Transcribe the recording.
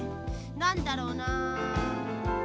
なんだろうな。